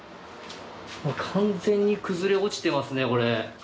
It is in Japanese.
完全に崩れ落ちてますね、これ。